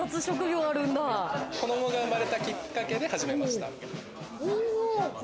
子どもが生まれたきっかけで始めました。